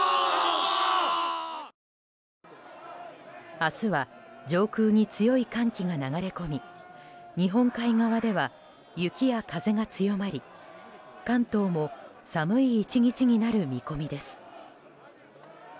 明日は上空に強い寒気が流れ込み日本海側では雪や風が強まり関東も寒い１日になる見込みです。